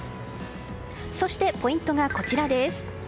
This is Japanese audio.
そしてポイントがこちらです。